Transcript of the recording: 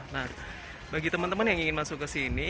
nah bagi teman teman yang ingin masuk ke sini